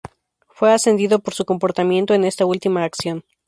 Fue ascendido por su comportamiento en esta última acción.